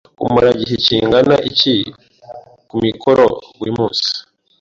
Umara igihe kingana iki kumikoro buri munsi?